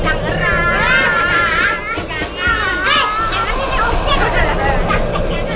eh jangan ini objek